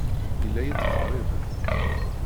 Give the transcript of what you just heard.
Yella yettqerrib-d.